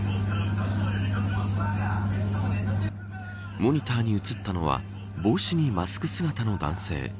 モニターに映ったのは帽子にマスク姿の男性。